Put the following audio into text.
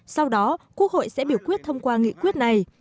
sau đó quốc hội sẽ biểu quyết thông qua nghị quyết này